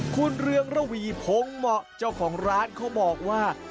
คุณเรืองระวีพงเหมาะเจ้าของร้านเขาบอกว่า